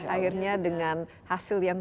akhirnya dengan hasil yang